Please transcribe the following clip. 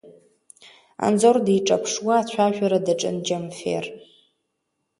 Анзор диҿаԥшуа ацәажәара даҿын Џьамфер.